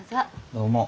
どうも。